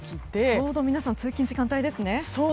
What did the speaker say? ちょうど皆さん通勤時間帯ですね。